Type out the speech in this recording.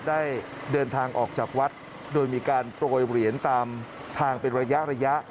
ได้เดินทางออกจากวัดโดยมีการโปรยเหรียญตามทางเป็นระยะระยะ